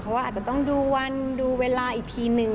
เพราะว่าอาจจะต้องดูวันดูเวลาอีกทีนึง